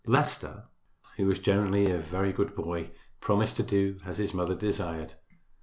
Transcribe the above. Leicester, who was generally a very good boy, promised to do as his mother desired.